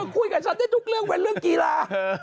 คุยกับฉันได้ทุกเรื่องเป็นเรื่องกีฬา